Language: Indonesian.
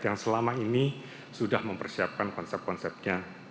yang selama ini sudah mempersiapkan konsep konsepnya